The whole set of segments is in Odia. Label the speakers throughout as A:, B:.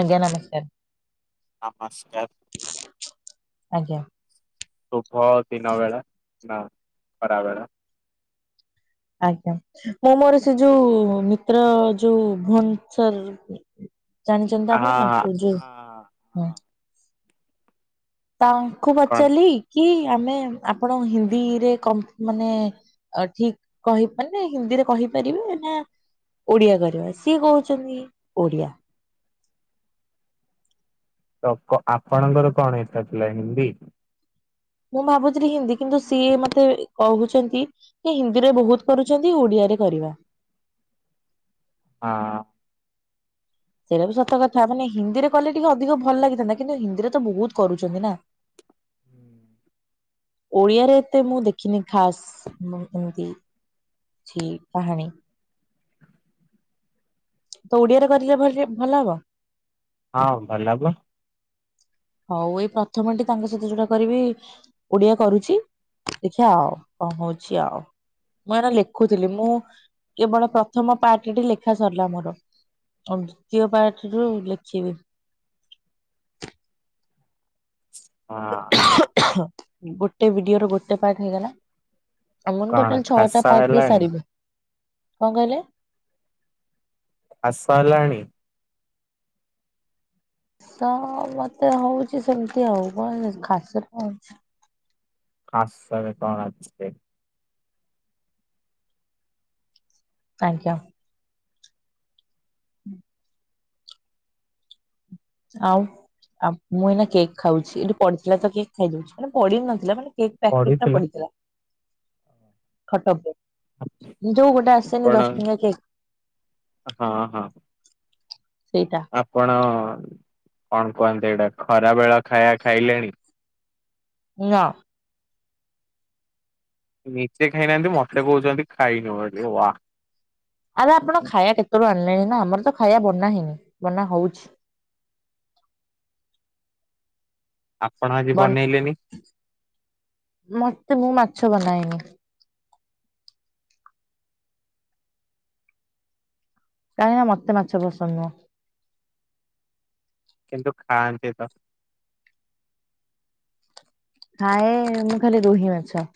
A: ଆଜ୍ଞା ନମସ୍କାର।
B: ନମସ୍କାର।
A: ଆଜ୍ଞା।
B: ଶୁଭ ଦିନ ବେଳା ନା ଖରାବେଳା।
A: ଆଜ୍ଞା ମୁଁ ମୋର ସେ ଯୋଉ ମିତ୍ର ଯୋଉ ଭୁନ ସର ଜାଣିଛନ୍ତି ତ
B: ଆହା
A: ଆପଣ ତାଙ୍କୁ ଯୋଉ
B: ଆହା ଆହା।
A: ହଁ। ତାଙ୍କୁ
B: କଣ
A: ପଚାରିଲି କି ଆମେ ଆପଣ ହିନ୍ଦୀରେ କ ମାନେ ଆ ଠିକ କହି ମାନେ ହିନ୍ଦୀରେ କହିପାରିବେ ନା ଓଡିଆ କରିବା ସିଏ କହୁଛନ୍ତି ଓଡିଆ।
B: ତ ଆପଣଙ୍କର କଣ ଇଚ୍ଛା ଥିଲା ହିନ୍ଦୀ।
A: ମୁଁ ଭାବୁଥିଲି ହିନ୍ଦୀ କିନ୍ତୁ, ସିଏ ମତେ କହୁଛନ୍ତି କି ହିନ୍ଦୀରେ ବହୁତ କରୁଛନ୍ତି ଓଡିଆରେ କରିବା।
B: ହଁ।
A: ସେଇଟା ବି ସତ କଥା ମାନେ ହିନ୍ଦୀରେ କଲେ ଟିକେ ଅଧିକ ଭଲ ଲାଗିଥାନ୍ତା କିନ୍ତୁ ହିନ୍ଦୀରେ ତ ବହୁତ କରୁଛନ୍ତି ନା। ଓଡିଆରେ ଏତେ ମୁଁ ଦେଖିନି ଖାସ ଏମତି। ଛି କାହାଣୀ। ତ ଓଡିଆରେ କରିଲେ ଭଲି ଭଲ ହବ।
B: ହଁ ଭଲ ହବ।
A: ହଉ ଏଇ ପ୍ରଥମଟି ତାଙ୍କ ସହିତ ଯୋଉଟା କରିବି ଓଡିଆ କରୁଛି ଦେଖିବା ଆଉ କଣ ହଉଛି ଆଉ। ମୁଁ ଏଇନା ଲେଖୁଥିଲି ମୁଁ କେବଳ ପ୍ରଥମ ପାର୍ଟଟି ଲେଖା ସରିଲା ମୋର। ହଁ ଦ୍ଵିତୀୟ ପାର୍ଟରରୁ ଲେଖିବି।
B: ହଁ।
A: ଗୋଟେ ଭିଡିଓ ର ଗୋଟେ ପାର୍ଟ ହେଇଗଲା। ଆମ
B: କଣ
A: ଟୋଟାଲ୍
B: ଖାସ
A: ଛଅଟା ପାର୍ଟ ରେ
B: ହେଲାଣି
A: ସାରିବି କଣ କହିଲେ।
B: ଖାସ ହେଲାଣି।
A: ସ ମତେ ହଉଛି ସେମିତି ହଉ କଣ ଖାସ ତ ହେଉଛି।
B: ଖାସରେ କଣ ଅଛି ଯେ।
A: କାହିଁକି ଆ। ହୁଁ। ଆଉ ମୁଁ ଏଇନା କେକ୍ ଖାଉଛି ଏଇଠି ପଡିଥିଲା ତ କେକ୍ ଖାଇଦଉଛି ମାନେ ପଡି ନଥିଲା ମାନେ କେକ୍। ପ୍ୟାକେଟ ଟା
B: ପଢିଥିଲ
A: ପଡିଥିଲା ଖଟ ଉପରେ। ଯୋଉ ଗୋଟେ ଆସେନି
B: ଆପଣ
A: ଦଶ ଟଙ୍କିଆ କେକ୍।
B: ହଁ ହଁ
A: ସେଇଟା।
B: ଆପଣ କଣ କୁହନ୍ତି ଏଇଟା ଖରା ବେଳ ଖାଇବା ଖାଇଲେଣି।
A: ନା।
B: ନିଜେ ଖାଇନାହାନ୍ତି ମତେ କହୁଛନ୍ତି ଖାଇନୁ ବୋଲି ୱା।
A: ଆରେ ଆପଣ ଖାଇବା କେତେଳୁ ଆଣିଲେଣି ନା ଆମର ତ ଖାଇବା ବନା ହେଇନି ବନା ହଉଛି।
B: ଆପଣ ଆଜି
A: ବନ
B: ବନେଇଲେନି।
A: ମତେ ମୁଁ ମାଛ ବନାଏନି। କାହିଁକ ନା ମତେ ମାଛ ପସନ୍ଦ ନୁହଁ।
B: କିନ୍ତୁ ଖାଆନ୍ତି ତ।
A: ଖାଏ ମୁଁ ଖାଲି ରୋହି ମାଛ।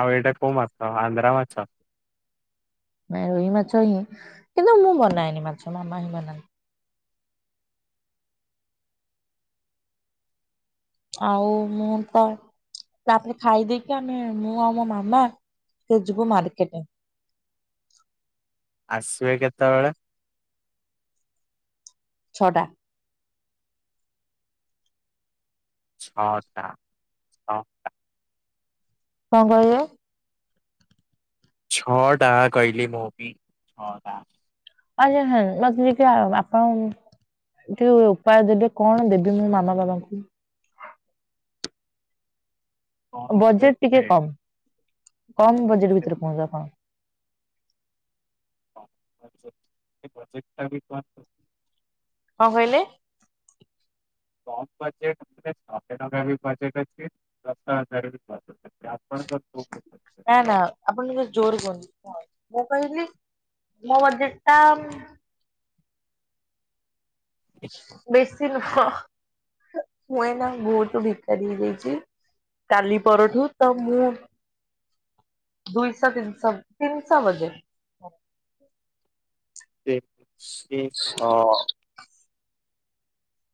B: ଆଉ ଏଇଟା କୋଉ ମାଛ ଆନ୍ଧ୍ରା ମାଛ।
A: ନାଇଁ ରୋହି ମାଛ ହିଁ କିନ୍ତୁ ମୁଁ ବନାଏନି ମାଛ ମାମା ହିଁ ବନାନ୍ତି। ଆଉ ମୁଁ ତ। ତାପରେ ଖାଇ ଦେଇକି ଆମେ ମୁଁ ଆଉ ମୋ ମାମା ସେ ଯିବୁ ମାର୍କେଟ।
B: ଆସିବେ କେତେବେଳେ।
A: ଛଅଟା।
B: ଛଅଟା। ହଁ
A: କଣ କହିଲେ।
B: ଛଅଟା କହିଲି ମୁଁ ବି ଛଅଟା।
A: ଆରେ ରେରେ ମତେ ଟିକେ ଆପଣଙ୍କ। ଟିକେ ଉପାୟ ଦେବି କଣ ଦେବି ମୁଁ ମାମା ବାବାଙ୍କୁ‌।
B: କଣ
A: ବଜେଟ୍ ଟିକେ
B: ଦେବେ
A: କମ୍ କମ୍ ବଜେଟ୍
B: ସେ
A: ଭିତରେ କୁହନ୍ତୁ ଆପଣ।
B: କମ୍ ବଜେଟ୍ ସେ ବଜେଟ୍ ଟାବି କୁହନ୍ତୁ।
A: କଣ କହିଲେ।
B: କମ୍ ବଜେଟ୍ ମେ ସହେ ଟଙ୍କାରେ ବି ବଜେଟ୍ ଅଛି ଦଶ ହଜାରରେ ବି ବଜେଟ୍ ଅଛି। ଆପଣଙ୍କ କୋଉ। ବଜେଟ?
A: ନା ନା ଆପଣ ଟିକେ ଜୋର କୁହନ୍ତୁ ମୁଁ କହିଲି ମୋ ବଜେଟ୍ ଟା। ବେଶୀ ନୁହଁ ମୁଁ ଏଇନା ବହୁତ ଭିକାରୀ ହେଇଯାଇଛି। କାଲି ପରଠୁ ତ ମୁଁ। ଦୁଇଶହ ତିନିଶ ତିନିଶହ ବଜେଟ୍।
B: ତିନିଶହ।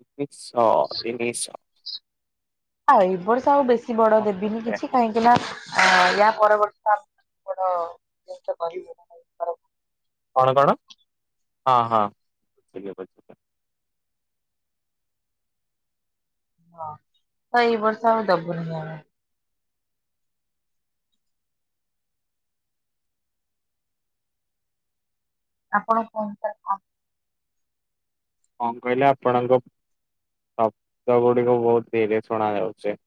B: ତିନିଶହ ତିନିଶହ।
A: ଆଉ ଏ ବର୍ଷ ଆଉ ବେଶି ବଡ଼
B: କଣ
A: ଦେବିନି
B: ଦେବେ
A: କିଛି। କାହିଁକି ନା ୟା ପର ବର୍ଷ ଆମେ ବଡ଼ ଜିନିଷ କରିବୁ। ହଁ
B: କଣ କଣ ହଁ ହଁ।
A: ହଁ ତ ଏଇ ବର୍ଷ ଆଉ ଦବୁନୁ ଆମେ। ଆପଣ କହୁନାହାନ୍ତି।
B: କଣ କହିଲେ? ଆପଣଙ୍କ ଶବ୍ଦ ଗୁଡିକ ବହୁତ ଧୀରେ ଶୁଣା ଯାଉଛି।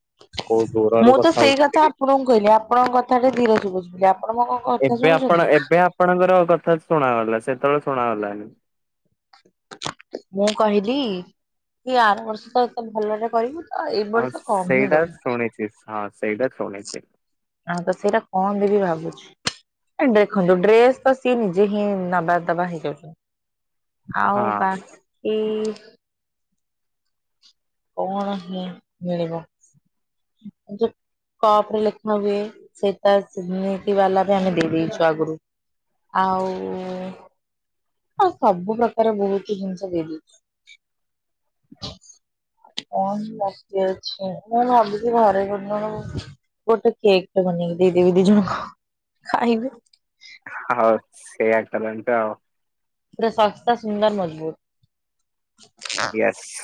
B: କୋଉ ଦୂରରୁ
A: ମୁଁ ତ ସେଇ
B: ହଉଛନ୍ତି
A: କଥା
B: କି?
A: ଆପଣଙ୍କୁ କହିଲି ଆପଣଙ୍କ କଥାଟା ଧୀରେ ଶୁଭୁଚି। ଆପଣ ମୋ କ
B: ଏବେ ଆପଣ ଏବେ ଆପଣଙ୍କର କଥା ଶୁଣାଗଲା ସେତେବେଳେ ଶୁଣାଗଲାନି।
A: ମୁଁ କହିଲି କି ଆର ବର୍ଷ ତ ଏତେ ଭଲରେ କରିବୁ। ତ ଏଇ
B: ହଁ
A: ବର୍ଷ କମ୍ ହିଁ
B: ସେଇଟା
A: ଦବୁ।
B: ଶୁଣିଛି, ହଁ ସେଇଟା ଶୁଣିଛି।
A: ନା ତ ସେଇଟା କଣ ଦେବି ଭାବୁଛି। ଏ ଦେଖନ୍ତୁ ଡ୍ରେସ୍ ତ ସିଏ ନିଜେ ହିଁ ନବା ଦବା ହେଇ ଯାଉଛନ୍ତି।
B: ହଁ
A: ଆଉ ବାକି କଣ ହିଁ ମିଳିବ। ଯେ କପ୍ ରେ ଲେଖି ହୁଏ ସେଟା ସେ ନିତି ବାଲା ବି ଆମେ ଦେଇ ଦେଇଛୁ ଆଗରୁ। ଆଉ ଓ ସବୁ ପ୍ରକାର ବହୁତି ଜିନିଷ ଦେଇଦେଇଛୁ। କଣ ବାକି ଅଛି? ମୁଁ ଭାବୁଚି ଘରେ [inaudible] ଗୋଟେ କେକ୍ ଟେ ବନେଇକି ଦେଇଦେବି ଦି ଜଣକୁ ଖାଇବେ।
B: ହଉ ସେଇଆ କରନ୍ତୁ ଆଉ।
A: ପୁରା ଶସ୍ତା ସୁନ୍ଦର ମଜବୁତ୍।
B: ଏସ୍।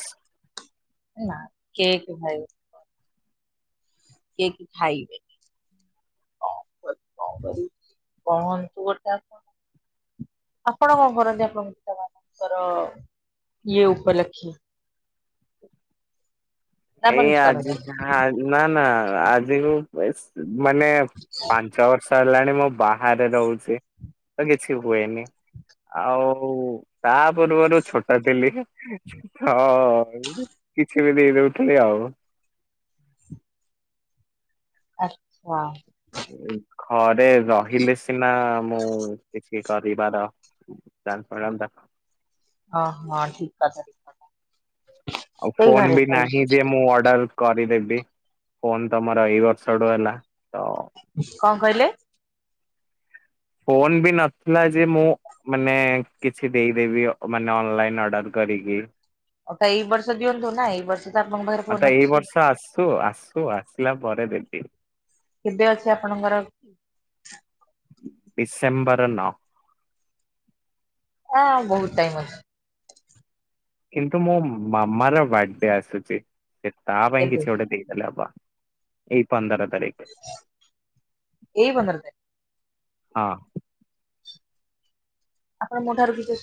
A: ନା କେକ୍ ଖାଇବେ। କେକ୍ ଖାଇବେନି। କଣ କର, କଣ କରିବି, କହନ୍ତୁ ଗୋଟା କଣ? ଆପଣ କଣ କରନ୍ତି ଆପଣଙ୍କ ପିତା ମାତାଙ୍କର ଇଏ ଉପଲକ୍ଷେ? ନା ଆପଣ
B: ଏଇ
A: କିଛି
B: ଆଜି
A: କରନ୍ତିନି
B: ହା ନା ନା ଆଜି କୁ ଏସ୍ ମାନେ ପାନ୍ ଛଅ ବର୍ଷ ହେଲାଣି ମୁଁ ବାହାରେ ରହୁଛି ତ କିଛି ହୁଏନି। ଆଉ ତା ପୂର୍ବରୁ ଛୋଟ ଥିଲି। ହଁ କିଛି ବି ଦେଇଦଉଥିଲି ଆଉ।
A: ଆଚ୍ଛା।
B: ଏ ଏଇ ଘରେ ରହିଲେ ସିନା ମୁଁ କିଛି କରିବାର ଚାନ୍ସ ମିଳନ୍ତା।
A: ହଁ, ହଁ ଠିକ୍ କଥା, ଠିକ୍ କଥା।
B: ଆଉ
A: ସେଇ
B: ଫୋନ୍
A: ଘରେ
B: ବି
A: ଥାଇ
B: ନାହିଁ ଯେ ମୁଁ ଅର୍ଡର୍ କରିଦେବି ଫୋନ୍ ତ ମୋର ଏଇ ବର୍ଷଠୁ ହେଲା। ତ
A: କଣ କହିଲେ?
B: ଫୋନ୍ ବି ନଥିଲା ଯେ ମୁଁ ମାନେ କିଛି ଦେଇଦେବି ମାନେ ଅନଲାଇନ୍ ଅର୍ଡର୍ କରିକି।
A: ଅଟା ଏଇ ବର୍ଷ ଦିଅନ୍ତୁ ନା ଏଇ ବର୍ଷ ଆପଣଙ୍କ ପାଖରେ ଫୋନ୍ ଅଛି।
B: ସୁ ଆସୁ ଆସିଲା ପରେ ଦେବି।
A: କେବେ ଅଛି ଆପଣଙ୍କର?
B: ଡିସେମ୍ବର ନଅ।
A: ଆ, ବହୁତ ଟାଇମ୍ ଅଛି।
B: କିନ୍ତୁ ମୋ ମାମାର ବାଡେ ଆସୁଛି। ସେ ତା ପାଇଁ
A: କେବେ
B: କିଛି ଗୋଟେ ଦେଇଦେଲେ ହବ। ଏଇ ପନ୍ଦର ତାରିଖ।
A: ଏଇ ପନ୍ଦର ତାରିଖ।
B: ହଁ।
A: ଆପଣ ମୋ ଠାରୁ କିଛି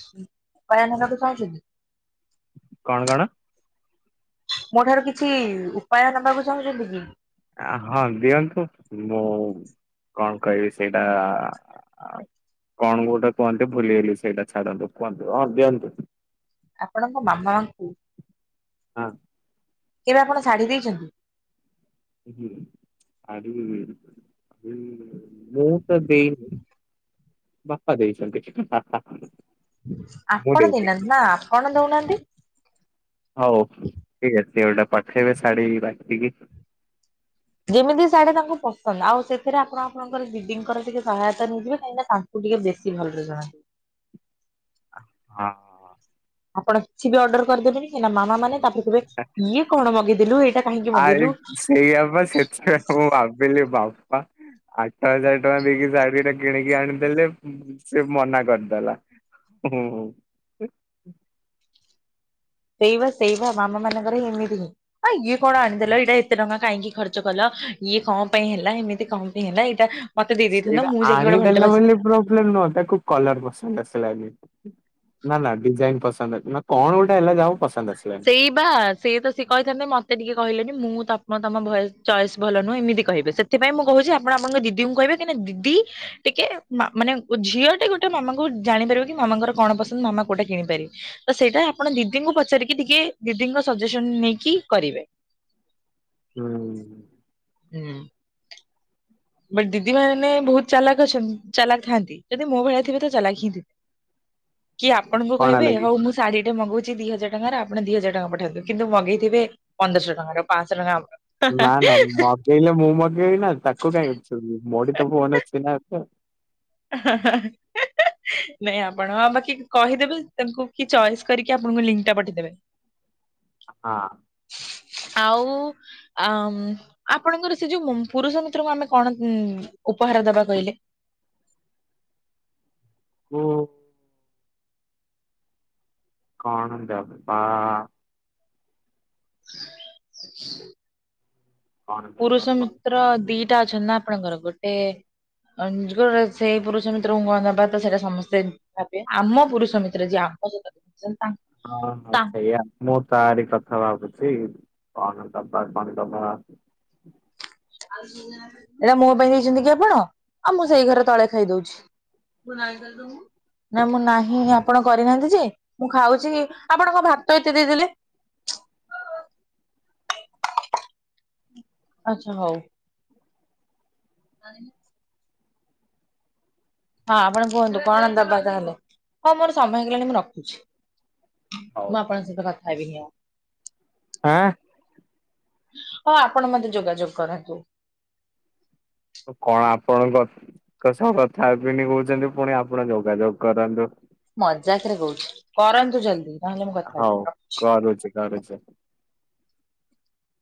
A: ଉପାୟ ନେବାକୁ ଚାହୁଁଛ କି?
B: କଣ କଣ?
A: ମୋ ଠାରୁ କିଛି ଉପାୟ ନେବାକୁ ଚାହୁଁଛନ୍ତି କି?
B: ଆ, ହଁ ଦିଅନ୍ତୁ ମୁଁ କଣ କହିବି ସେଇଟା ଆ, କଣ ଗୋଟେ କୁହନ୍ତି ଭୁଲିଗଲି ସେଇଟା। ଛାଡନ୍ତୁ କୁହନ୍ତୁ, ହଁ ଦିଅନ୍ତୁ।
A: ଆପଣଙ୍କ ମାମାଙ୍କୁ
B: ହଁ।
A: କେବେ ଆପଣ ଶାଢୀ ଦେଇଛନ୍ତି?
B: ହୁଁ ଶାଢ଼ି, ମୁଁ ତ ଦେଇନି। ବାପା ଦେଇଛନ୍ତି ବାପା।
A: ଆପଣ ଦେଇନାହାନ୍ତି ନା ଆପଣ ଦଉନାହାନ୍ତି।
B: ହଉ ଠିକ୍ ଅଛି ଗୋଟେ ପଠେଇବେ ଶାଢୀ ବାଛିକି
A: ଯେମିତି ଶାଢି ତାଙ୍କୁ ପସନ୍ଦ, ଆଉ ସେଥିରେ ଆପଣ ଆପଣଙ୍କର ଦିଦିଙ୍କର ଟିକେ ସହାୟତା ନେଇଯିବେ। କାହିଁକି ନା ତା କୁ ଟିକେ ବେଶୀ ଭଲରେ ଜଣା।
B: ହଁ।
A: ଆପଣ କିଛି ବି ଅର୍ଡର କରିଦେବେନି, କାହିଁକି ନା ମାମା ମାନେ ତାପରେ କହିବେ, ଇଏ କଣ ମଗେଇଦେଲୁ ଏଇଟା କାହିଁକି
B: ଆ
A: ମଗେଇଲୁ
B: ସେଇଆ ବା ସେଥିପାଇ ମୁଁ ଭାବିଲି ବାପା ଆଠ ହଜାର ଟଙ୍କା ଦେଇକି ଶାଢୀ ଟା କିଣିକି ଆଣିଦେଲେ ସେ ମନା କରିଦେଲା। ହୁଁ ହୁଁ।
A: ସେଇବା ସେଇବା ମାମା ମାନଙ୍କର ହିଁ ଏମିତି ଆଁ ଇଏ କଣ ଆଣିଦେଲ। ଏଇଟା ଏତେ ଟଙ୍କା କାହିଁକି ଖର୍ଚ୍ଚ କଲ। ଇଏ କଣ ପାଇଁ ହେଲା, ଏମିତି କଣ ପାଇଁ ହେଲା ଏଇଟା ମତେ ଦେଇ ଦେଇଥାନ୍ତ
B: ସେଇଟା
A: ମୁଁ ଯାଇକି ଗୋଟେ ଭଲଟେ
B: ଆଣିଦେଲେ
A: ବାଛି
B: ବୋଲି ପ୍ରୋବ୍ଲେମ ନୁହଁ, ତାକୁ କଲର ପସନ୍ଦ ଆସିଲାନି। ନା ନା ଡିଜାଇନ ପସନ୍ଦ ଆସ ନା କଣ ଗୋଟେ ହେଲା। ଯାହାଉ ପସନ୍ଦ ଆସିଲାନି।
A: ସେଇ ବା ସିଏ ତ ସିଏ କହିଥାନ୍ତେ, ମୋତେ ଟିକେ କହିଲେନି ମୁଁ ତ ମୁଁ ତମ ଭଏ ଚଏସ ଭଲ ନୁହେଁ ଏମିତି କହିବେ। ସେଥିପାଇଁ ମୁଁ କହୁଛି, ଆପଣ ଆପଣଙ୍କ ଦିଦି ଙ୍କୁ କହିବେ କାହିଁକି ନା ଦିଦି ଟିକେ ମା ମାନେ ଝିଅ ଟେ ଗୋଟେ ମାମାଙ୍କୁ ଜାଣିପାରିବ କି, ମାମାଙ୍କର କଣ ପସନ୍ଦ ମାମା କୋଉଟା କିଣିପାରିବେ। ତ ସେଇଟା ଆପଣ ଦିଦିଙ୍କୁ ପଚାରିକି ଟିକେ, ଦିଦିଙ୍କ ସଜେସନ ନେଇକି କରିବେ।
B: ହୁଁ।
A: ହୁଁ। ବଟ ଦିଦି ମାନେ ବହୁତ ଚାଲାକ ଅଛନ୍ତି ଚାଲାକ ଥାଆନ୍ତି। ଯଦି ମୋ ଭଳିଆ ଥିବେ ତ ଚାଲାକ ହିଁ ଥିବେ। କି ଆପଣଙ୍କୁ
B: କଣ
A: କହିବେ
B: ହେଲା କି?
A: ହଉ ମୁଁ ଶାଢୀ ଟା ମଗଉଛି ଦି ହଜାର ଟଙ୍କାର ଆପଣ ଦି ହଜାର ଟା ପଠାନ୍ତୁ। କିନ୍ତୁ ମଗେଇଥିବେ ପନ୍ଦରଶ ଟଙ୍କାର ପାଶହ ଟଙ୍କା ଆମର।
B: ନା ନା ମଗେଇଲେ ମୁଁ ମଗେଇବ ନା, ତାକୁ କାହିଁ ଛାଡ଼ିବି ମୋଠି ତ ଫୋନ ଅଛି ନା ଏବେ।
A: [unintelligible] ନାଇଁ ଆପଣ ବାକି କହିଦେବେ ତାଙ୍କୁ କି ଚଏସ୍ କରିକି, ଆପଣଙ୍କୁ ଲିଙ୍କ ଟା ପଠେଇଦେବେ। [inaudible]
B: ହଁ।
A: ଆଉ ଆମ୍ ଆପଣଙ୍କର ସେ ଯୋଉ ମୁ ପୁରୁଷ ମିତ୍ରଙ୍କୁ, ଆମେ କଣ ଉପହାର ଦବା କହିଲେ?
B: ହୁଁ। କଣ ଦବା
A: [inaudible]
B: କଣ
A: ପୁରୁଷ
B: ଦବା
A: ମିତ୍ର ଦିଟା ଅଛନ୍ତି ନା ଆପଣଙ୍କର ଗୋଟେ [unintelligible] ସେଇ ପୁରୁଷ ମିତ୍ରଙ୍କୁ କଣ ଦେବା ତ ସେଇଟା ସମସ୍ତେ ଭାବିବେ ଆମ ପୁରୁଷ ମିତ୍ର ଯିଏ ଆମ ଜଛନ୍ତି ତାଙ୍କ
B: ହଁ ହଁ ସେଇଆା। ମୁଁ ତାରି କଥା ଭାବୁଛି କଣଦବା କଣଦବା
A: ଏଇଟା ମୋ ପାଇଁ ଦେଇଛନ୍ତି କି ଆପଣ ଆଉ ମୁଁ ସେଇ ଘରେ ତଳେ ଖାଇଦଉଛି। ବୁନାଇଦେଲୁ ନା ମୁଁ ନାହିଁ ଆପଣ କରିନାହାନ୍ତି ଯେ ମୁଁ ଖାଉଛି ଆପଣ କଣ ଭାତ ଏତେ ଦେଇଦେଲେ? ଆଚ୍ଛା ହଉ। ହଁ ଆପଣ କୁହନ୍ତୁ କଣ ଦବା ତାହେଲେ, ହଉ ମୋର ସମୟ ହେଇଗଲାଣି ମୁଁ ରଖୁଛି।
B: ହଉ
A: ମୁଁ ଆପଣଙ୍କ ସହିତ କଥା ହେବିନି ଆଉ।
B: ଆଁ।
A: ହଁ ଆପଣ ମତେ ଯୋଗାଯୋଗ କରନ୍ତୁ।
B: କଣ ଆପଣଙ୍କ କ ସହ କଥା ହେବିନି କହୁଛନ୍ତି ପୁଣି ଆପଣ ଯୋଗାଯୋଗ କରନ୍ତୁ।
A: ମଜାକ ରେ କହୁଛି କରନ୍ତୁ ଜଲ୍ଦି। ନହେଲେ ମୁଁ କଥା ହେବି।
B: ହଉ କରୁଚି କରୁଚି।